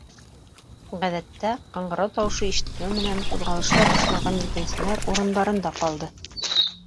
Ғәҙәттә, ҡыңғырау тауышы ишетелеү менән ҡуҙғалыша башлаған етенселәр урындарында ҡалды.